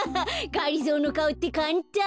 がりぞーのかおってかんたん。